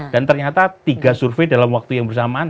dan ternyata tiga survei dalam waktu yang bersamaan